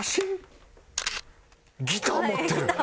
ギター持ってる！